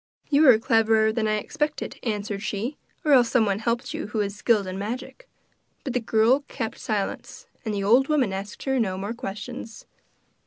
'You are cleverer than I expected,' answered she; 'or else someone helped you who is skilled in magic.' But the girl kept silence, and the old woman asked her no more questions.